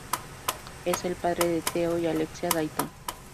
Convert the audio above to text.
Es el padre de Theo y Alexia Dayton.